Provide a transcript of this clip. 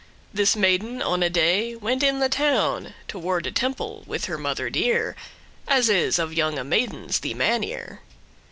— <5> This maiden on a day went in the town Toward a temple, with her mother dear, As is of younge maidens the mannere.